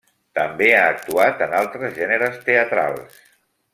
També ha actuat en altres gèneres teatrals.